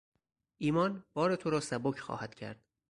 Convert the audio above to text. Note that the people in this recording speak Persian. ایمان بار تو را سبک خواهد کرد.